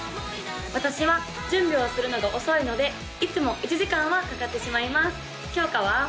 私は準備をするのが遅いのでいつも１時間はかかってしまいますきょうかは？